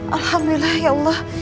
alhamdulillah ya allah